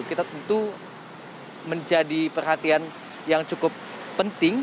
kita tentu menjadi perhatian yang cukup penting